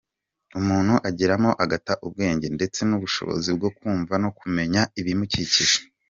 umuntu ageramo agata ubwenge ndetse n’ubushobozi bwo kumva no kumenya ibimukikije